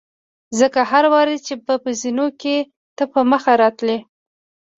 ځکه هر وار چې به په زینو کې ته په مخه راتلې.